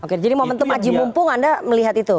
oke jadi momentum aji mumpung anda melihat itu